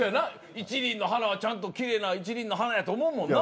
１輪の花はちゃんときれいな１輪の花やと思うもんなぁ。